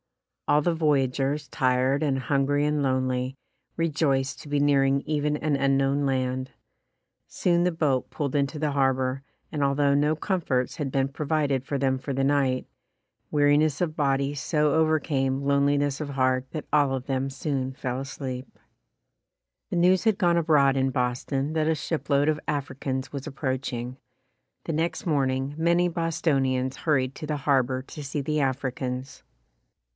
All the voyagers, tired and hungry and lonely, re j oiced to be nearing even an unknown land. Soon the boat pulled into the harbor, and PHILLIS WHEATLEY [169 although no comforts had been provided for them for the night, weariness of body so overcame lone liness of heart that all of them soon fell asleep. The news had gone abroad in Boston that a shipload of Africans was approaching. The next morning many Bostonians hurried to the harbor to see the Africans.